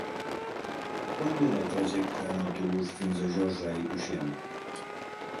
Quant dura el trajecte en autobús fins a Josa i Tuixén?